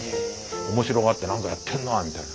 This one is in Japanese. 面白がって何かやってるなみたいな。